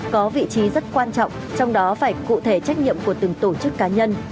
có vị trí rất quan trọng trong đó phải cụ thể trách nhiệm của từng tổ chức cá nhân